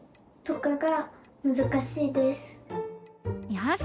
よし！